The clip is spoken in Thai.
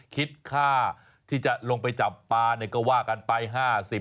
คิดค่าที่จะลงไปจับปลาก็ว่ากันไป๕๐บาท